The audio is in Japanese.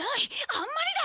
あんまりだ！